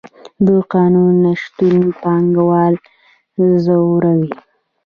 د قانون نشتون پانګوال ځوروي.